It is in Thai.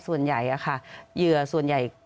ส่วนใหญ่เหยื่อส่วนใหญ่